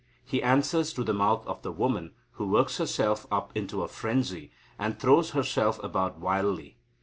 He answers through the mouth of the woman, who works herself up into a frenzy, and throws herself about wildly.